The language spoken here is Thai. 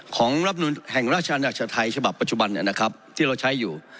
รับนุนแห่งราชนาชไทยฉบับปัจจุบันที่เราใช้อยู่